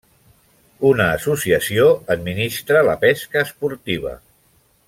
Una associació administra la pesca esportiva.